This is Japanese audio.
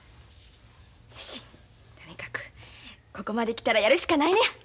よしとにかくここまで来たらやるしかないのや！